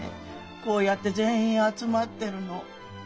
こうやって全員集まってるの。